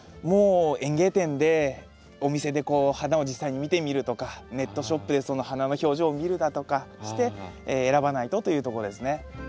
もう園芸店でお店でこう花を実際に見てみるとかネットショップでその花の表情を見るだとかして選ばないとというとこですね。